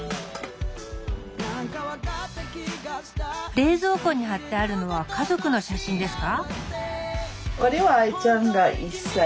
冷蔵庫に貼ってあるのは家族の写真ですか？